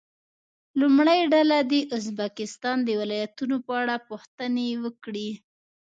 لومړۍ ډله دې د ازبکستان د ولایتونو په اړه پوښتنې وکړي.